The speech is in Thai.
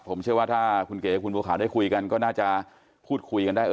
ผมเชื่อว่าถ้าคุณเก๋กับคุณบัวขาวได้คุยกันก็น่าจะพูดคุยกันได้